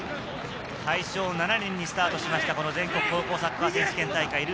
大正７年にスタートしました全国高校サッカー選手権大会。